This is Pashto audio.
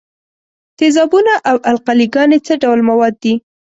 تیزابونه او القلې ګانې څه ډول مواد دي؟